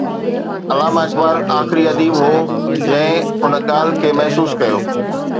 علامه اقبال آخري اديب هو جنهن ان ڳالهه کي محسوس ڪيو.